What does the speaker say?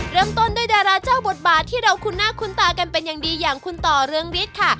เริ่มต้นด้วยดาราเจ้าบทบาทที่เราคุ้นหน้าคุ้นตากันเป็นอย่างดีอย่างคุณต่อเรืองฤทธิ์ค่ะ